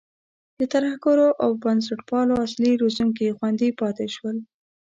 د ترهګرو او بنسټپالو اصلي روزونکي خوندي پاتې شول.